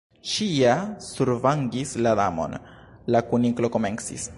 "Ŝi ja survangis la Damon—" la Kuniklo komencis.